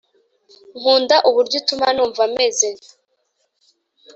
nkunda uburyo utuma numva meze